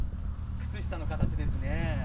靴下の形ですね。